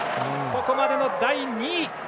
ここまでの第２位。